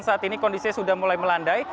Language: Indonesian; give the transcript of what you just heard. saat ini kondisinya sudah mulai melandai